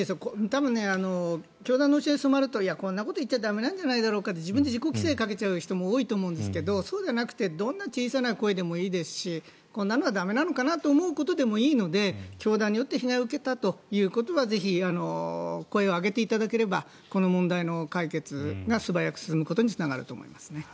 多分、教団の教えに染まるとこんなことを言っちゃ駄目なんじゃないかって自分で自己規制をかけちゃう人も多いと思うんですけどそうじゃなくてどんな小さな声でもいいですしなんなら駄目かなと思うことでもいいので教団によって被害を受けたということはぜひ声を上げていただければこの問題の解決が素早く進むことにつながると思いますね。